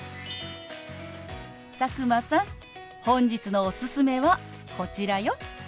佐久間さん本日のおすすめはこちらよ。